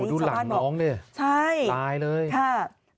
ดูหลังน้องนี่ลายเลยใช่ค่ะนี่เฉพาะพ่อบอก